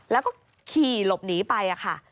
แล้วก็ขี่หลบหนีไปค่ะ